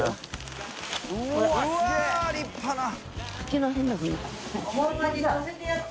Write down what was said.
立派な。